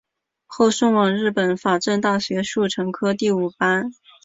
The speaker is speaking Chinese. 后送往日本法政大学速成科第五班。